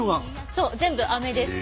そう全部アメです。